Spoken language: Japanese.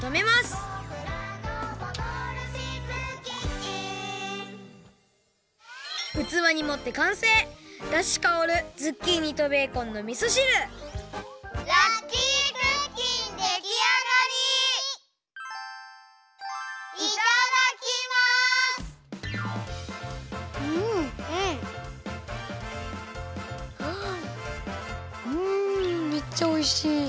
はうんめっちゃおいしい！